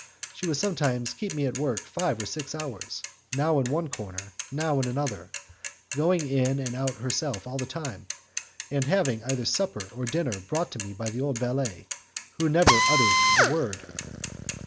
She would sometimes keep me at work for five or six hours, now in one corner, now in another, going in and out herself all the time, and having either dinner or supper brought to me by the old valet, who never uttered a word.